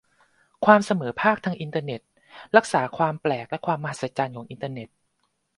ความเสมอภาคทางอินเทอร์เน็ตรักษาความแปลกและความมหัศจรรย์ของอินเทอร์เน็ต